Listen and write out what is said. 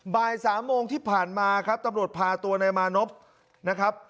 บ่ายสามโมงที่ผ่านมาครับตำรวจพาตัวนายมานพนะครับ